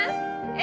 え？